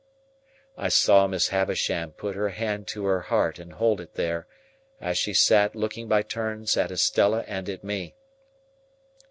I saw Miss Havisham put her hand to her heart and hold it there, as she sat looking by turns at Estella and at me.